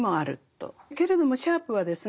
けれどもシャープはですね